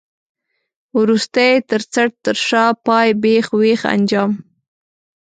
وروستی، تر څټ، تر شا، پای، بېخ، وېخ، انجام.